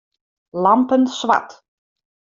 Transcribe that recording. Lampen swart.